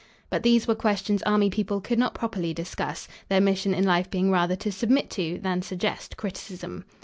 But these were questions army people could not properly discuss, their mission in life being rather to submit to, than suggest, criticism.